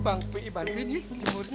panggung p i banfi di timurnya